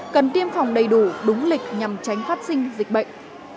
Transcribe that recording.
cần tiêm phòng đầy đủ đúng lịch nhằm tránh phát sinh dịch bệnh